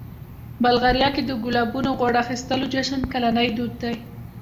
بلغاریا کې د ګلابونو غوړ اخیستلو جشن کلنی دود دی.